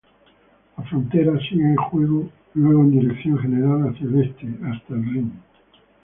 La frontera sigue luego en dirección general hacia el este, hasta el Rin.